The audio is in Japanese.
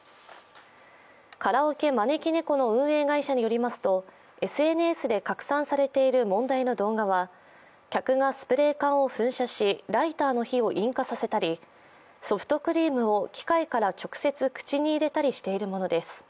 カラオケまねきねこの運営会社によりますとＳＮＳで拡散されている問題の動画は客がスプレー缶を噴射しライターの火を引火させたりソフトクリームを機械から直接口に入れたりしているものです。